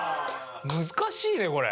難しいねこれ。